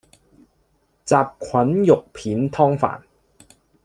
什菌肉片湯飯